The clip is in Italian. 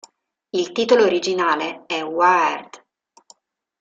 Il titolo originale è "Wired".